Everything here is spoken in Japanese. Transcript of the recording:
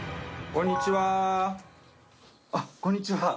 こんにちは。